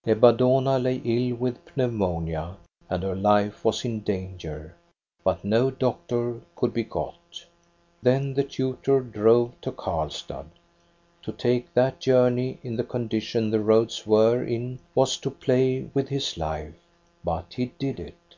" Ebba Dohna lay ill with pneumonia, and her life was in danger; but no doctor could be got. " Then the tutor drove to Karlstad. To take that journey in the condition the roads were in was to play with his life; but he did it.